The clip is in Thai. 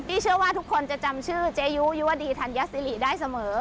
เชื่อว่าทุกคนจะจำชื่อเจยุยุวดีธัญสิริได้เสมอ